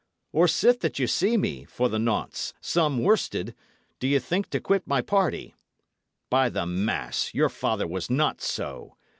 Or sith that ye see me, for the nonce, some worsted, do ye think to quit my party? By the mass, your father was not so!